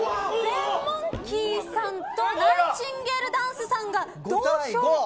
ゼンモンキーさんとナイチンゲールダンスさんが同票。